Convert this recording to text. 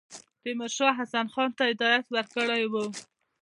تیمورشاه حسین خان ته هدایت ورکړی وو.